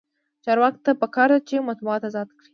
چارواکو ته پکار ده چې، مطبوعات ازاد کړي.